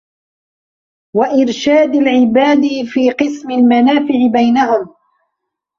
وَإِرْشَادِ الْعِبَادِ فِي قَسْمِ الْمَنَافِعِ بَيْنَهُمْ